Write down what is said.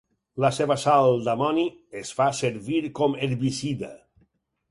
La seva sal d'amoni es fa servir com herbicida.